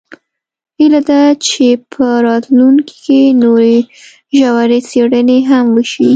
هیله ده چې په راتلونکي کې نورې ژورې څیړنې هم وشي